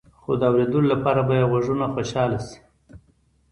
خو د اوریدلو لپاره به يې غوږونه خوشحاله شي.